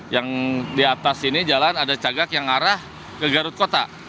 yang di atas sini jalan ada cagak yang arah ke garut kota